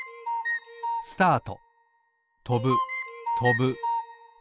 スタート！